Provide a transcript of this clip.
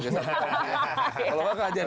kalau nggak kau ajak